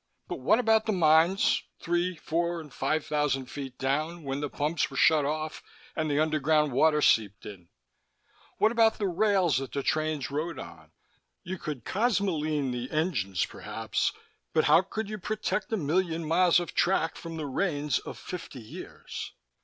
But what about the mines three, four and five thousand feet down when the pumps were shut off and the underground water seeped in? What about the rails that the trains rode on? You could cosmoline the engines, perhaps, but how could you protect a million miles of track from the rains of fifty years?